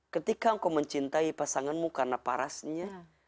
ketika engkau mencintai pasanganmu karena parasnya